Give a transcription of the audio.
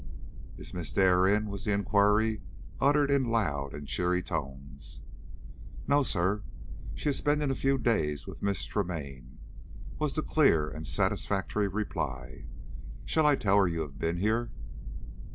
"Is Miss Dare in?" was the inquiry, uttered in loud and cheery tones. "No, sir. She is spending a few days with Miss Tremaine," was the clear and satisfactory reply. "Shall I tell her you have been here?"